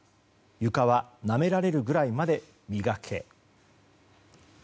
床はなめられるぐらいまで磨け。